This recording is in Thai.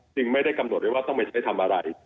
จริงไม่ได้กำหนดเลยว่าต้องไปใช้ทำอะไร